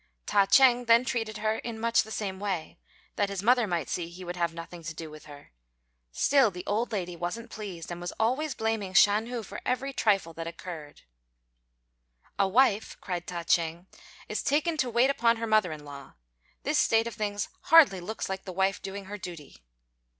Ta ch'êng then treated her in much the same way, that his mother might see he would have nothing to do with her; still the old lady wasn't pleased, and was always blaming Shan hu for every trifle that occurred. "A wife," cried Ta ch'êng "is taken to wait upon her mother in law. This state of things hardly looks like the wife doing her duty."